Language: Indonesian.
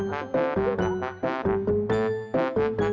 gak jadi kekamu munggul